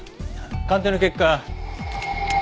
鑑定の結果。